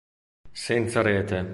Senza rete